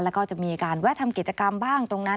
แล้วก็จะมีมีการเวทัมเกียจกรรมบ้างตรงนั้น